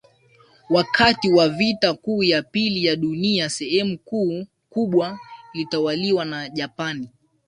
Wakati wa vita kuu ya pili ya dunia sehemu kubwa ilitwaliwa na Japani